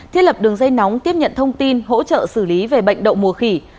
thiết lập đường dây nóng tiếp nhận thông tin hỗ trợ xử lý về bệnh đậu mùa khỉ